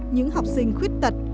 những học sinh khuyết tật